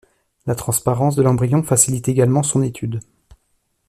La transparence de l'embryon facilite également son étude.